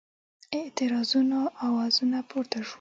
اعتراضونو آوازونه پورته شول.